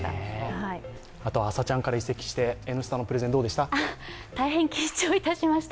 「あさチャン！」から移籍して、「Ｎスタ」のプレゼンどうでした？